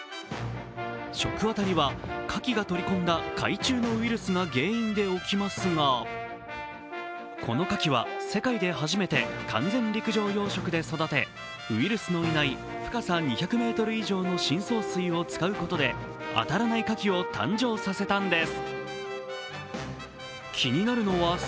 食あたりは牡蠣が取り込んだ海中のウイルスが原因で起きますがこの牡蠣は世界で初めて完全陸上養殖で育てウイルスのいない深さ２００ｍ以上の深層水を使うことであたらない牡蠣を誕生させたんです。